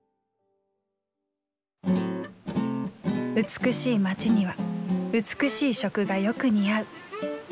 美しい街には美しい食がよく似合う。